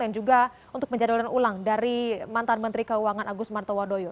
dan juga untuk penjadwalan ulang dari mantan menteri keuangan agus martowodoyo